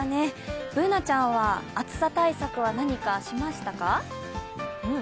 Ｂｏｏｎａちゃんは暑さ対策は何かしましたか？